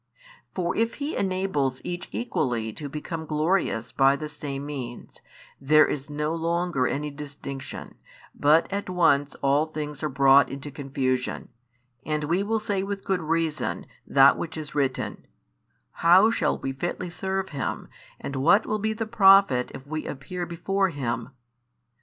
For if He enables each equally to become glorious by the same means, there is no longer any distinction, but at once all things are brought into confusion, and we will say with good reason that which is written: How shall we fitly serve Him, and what will be the profit if we appear before Him?